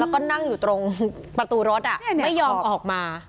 แล้วก็นั่งอยู่ตรงประตูรถไม่ยอมออกมา